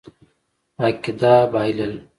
عقیده بایلل.